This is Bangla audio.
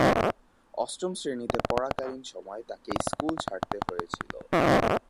অষ্টম শ্রেণীতে পড়াকালীন সময়ে তাকে স্কুল ছাড়তে হয়েছিল।